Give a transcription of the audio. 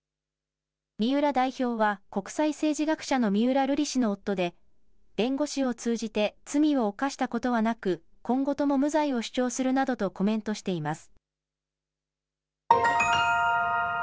三浦代表は国際政治学者の三浦瑠麗氏の夫で弁護士を通じて罪を犯したことはなく今後とも無罪を主張するなどとコメントしています。